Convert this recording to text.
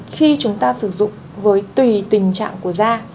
khi chúng ta sử dụng với tùy tình trạng của da